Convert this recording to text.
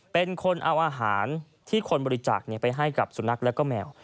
เป็นคนเอาอาหารที่คนบริจาคไปให้กับสุนัขและแมว